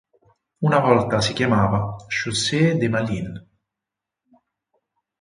Una volta si chiamava "Chaussée de Malines".